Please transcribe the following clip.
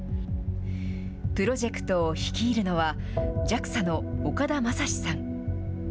プロジェクトを率いるのは、ＪＡＸＡの岡田匡史さん。